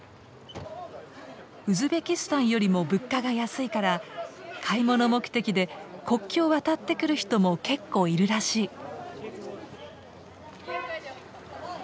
ウズベキスタンよりも物価が安いから買い物目的で国境を渡ってくる人も結構いるらしい。